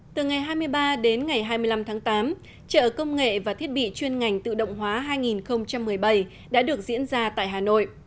từ ngày hai mươi ba đến ngày hai mươi năm tháng tám chợ công nghệ và thiết bị chuyên ngành tự động hóa hai nghìn một mươi bảy đã được diễn ra tại hà nội